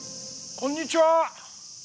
こんにちは。